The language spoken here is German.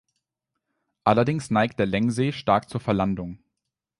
Allerdings neigt der Längsee stark zur Verlandung.